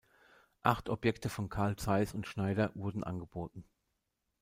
Acht Objektive von Carl Zeiss und Schneider wurden angeboten.